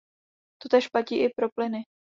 Totéž platí i pro plyny.